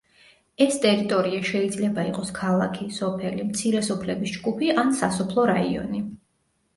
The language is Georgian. ეს ტერიტორია შეიძლება იყოს ქალაქი, სოფელი, მცირე სოფლების ჯგუფი ან სასოფლო რაიონი.